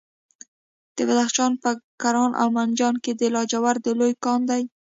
د بدخشان په کران او منجان کې د لاجوردو لوی کان دی.